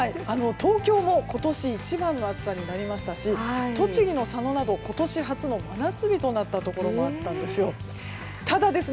東京も今年一番の暑さになりましたし栃木の佐野など今年初の真夏日になったところもあったんですよ。